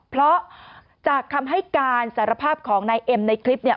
เพราะจากคำให้การสารภาพของนายเอ็มในคลิปเนี่ย